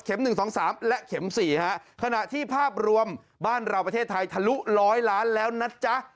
๑๒๓และเข็ม๔ฮะขณะที่ภาพรวมบ้านเราประเทศไทยทะลุร้อยล้านแล้วนะจ๊ะ